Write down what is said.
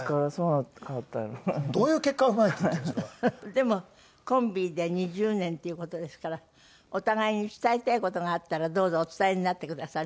でもコンビで２０年っていう事ですからお互いに伝えたい事があったらどうぞお伝えになってくださる？